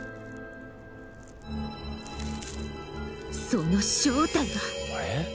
その正体は。